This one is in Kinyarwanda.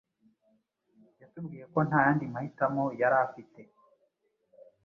yatubwiye ko nta yandi mahitamo yari afite,